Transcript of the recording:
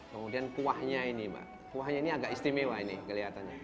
kemudian kuahnya ini mbak kuahnya ini agak istimewa ini kelihatannya